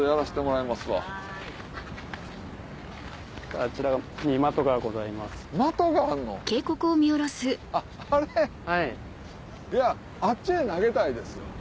いやあっちに投げたいですよ。